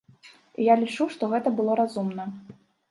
І я лічу, што гэта было разумна.